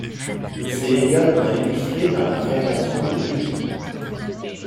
Il s’est également illustré dans la création de bijoux.